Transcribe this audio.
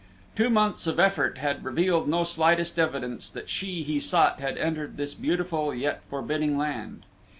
Two months of effort had revealed no slightest evidence that she he sought had entered this beautiful yet forbidding land.